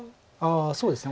そうですね